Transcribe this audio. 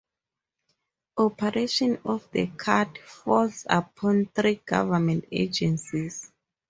Operation of the cut falls upon three government agencies.